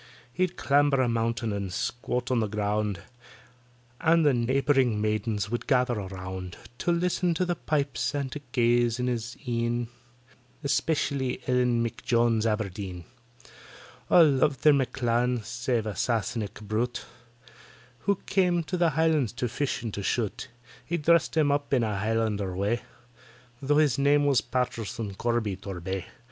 He'd clamber a mountain and squat on the ground, And the neighbouring maidens would gather around To list to the pipes and to gaze in his een, Especially ELLEN M'JONES ABERDEEN. All loved their M'CLAN, save a Sassenach brute, Who came to the Highlands to fish and to shoot; He dressed himself up in a Highlander way, Tho' his name it was PATTISON CORBY TORBAY.